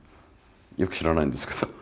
よく知らないんですけど。